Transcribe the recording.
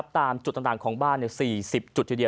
ตามจุดต่างของบ้าน๔๐จุดทีเดียว